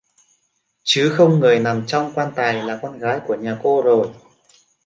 chứ không người nằm trong quan tài là con gái của nhà cô rồi